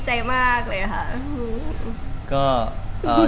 แล้วก็ดีใจมากเลยค่ะ